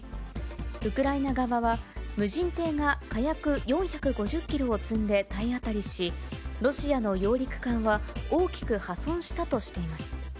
ウクライナ側は、無人艇が火薬４５０キロを積んで体当たりし、ロシアの揚陸艦は大きく破損したとしています。